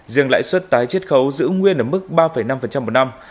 riêng lãi suất tái triết khấu giữ nguyên ở mức ba năm một năm